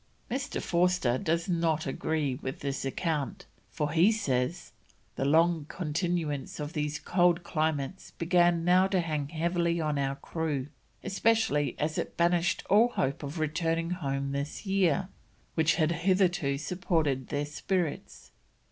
Mr. Forster does not agree with this account, for he says: "The long continuance in these cold climates began now to hang heavily on our crew, especially as it banished all hope of returning home this year, which had hitherto supported their spirits.